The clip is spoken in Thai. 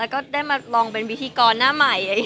ก็เต้นมาลองเป็นวิธีกรหน้าใหม่